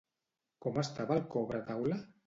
Com estava el cobretaula?